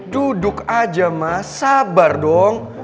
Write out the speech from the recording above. duduk aja mas sabar dong